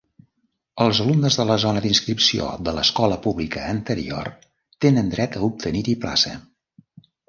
Els alumnes de la zona d'inscripció de l'escola pública anterior tenen dret a obtenir-hi plaça.